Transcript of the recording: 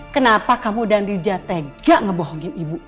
kenapa kamu dan dija tega ngebohongin ibu